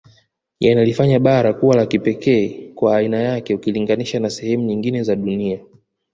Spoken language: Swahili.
Yanalifanya bara kuwa la kipekee kwa aiana yake ukilinganisha na sehemu nyingine za dunia